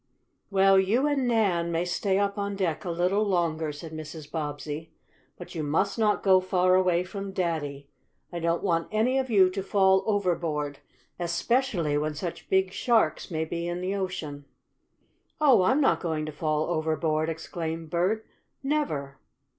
"Well, you and Nan may stay up on deck a little longer," said Mrs. Bobbsey. "But you must not go far away from daddy. I don't want any of you to fall overboard, especially when such big sharks may be in the ocean." "Oh, I'm not going to fall overboard!" exclaimed Bert. "Never!"